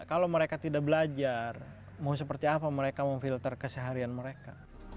kalau mereka tidak belajar mau seperti apa mereka memfilter keseharian mereka